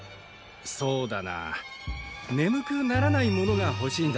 そうだな眠くならないものがほしいんだ。